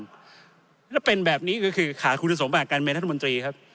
แล้วเป็นแบบนี้ก็คือขาดคุณสมบัติการเป็นรัฐมนตรีครับ